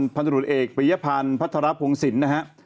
พันธุรกิจเอกปริยพันธ์พัฒนรัพย์ฮงศิลป์